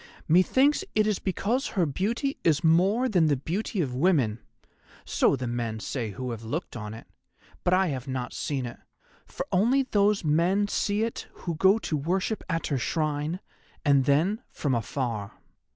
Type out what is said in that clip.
Methinks it is because her beauty is more than the beauty of women, so the men say who have looked on it, but I have not seen it, for only those men see it who go to worship at her shrine, and then from afar.